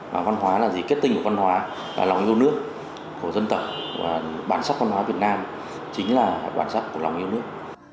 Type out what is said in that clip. và văn hóa là gì kết tinh của văn hóa là lòng yêu nước của dân tộc và bản sắc văn hóa việt nam chính là bản sắc của lòng yêu nước